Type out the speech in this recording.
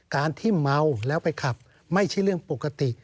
การที่เมาแล้วไปขับไม่ใช่เรื่องปกติ